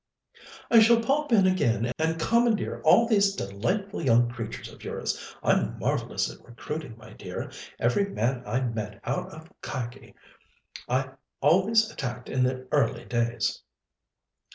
"I shall pop in again and commandeer all these delightful young creatures of yours. I'm marvellous at recruiting, my dear; every man I met out of khaki I always attacked in the early days.